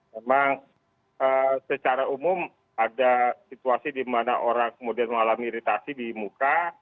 memang secara umum ada situasi di mana orang kemudian mengalami iritasi di muka